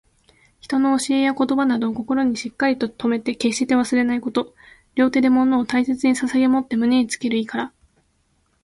人の教えや言葉などを、心にしっかりと留めて決して忘れないこと。両手で物を大切に捧ささげ持って胸につける意から。